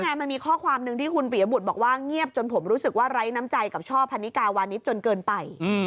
มันมีข้อความหนึ่งที่คุณปียบุตรบอกว่าเงียบจนผมรู้สึกว่าไร้น้ำใจกับช่อพันนิกาวานิสจนเกินไป